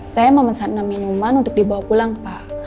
saya memesan enam minuman untuk dibawa pulang pak